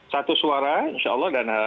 satu suara insya allah